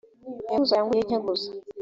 nteguza cyangwa igihe cy integuza